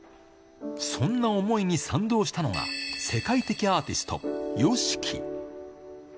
そんな思いに賛同したのが、世界的アーティスト、ＹＯＳＨＩＫＩ。